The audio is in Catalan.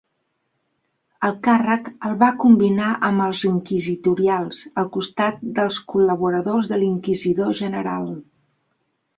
El càrrec el va combinar amb els inquisitorials, al costat dels col·laboradors de l'inquisidor general.